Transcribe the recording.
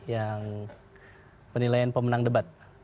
yang penilaian pemenang debat